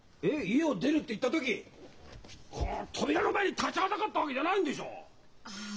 「家を出る」って言った時こう扉の前に立ちはだかったわけじゃないんでしょう？はあ。